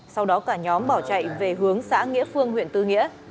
sau đó cả nhóm bỏ chạy về hướng xã nghĩa phương huyện tư nghĩa